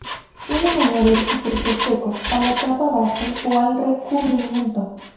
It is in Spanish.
Pueden añadirse frutos secos a la capa base o al recubrimiento.